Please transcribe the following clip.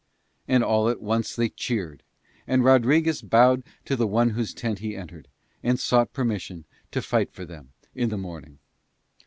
And all at once they cheered. And Rodriguez bowed to the one whose tent he had entered, and sought permission to fight for them in the morning.